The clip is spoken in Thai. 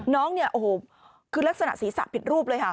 น้องเนี่ยโอ้โหคือลักษณะศีรษะผิดรูปเลยค่ะ